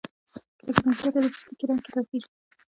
لکه جنسیت یا د پوستکي رنګ کې توپیر.